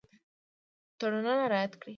تړونونه رعایت کړي.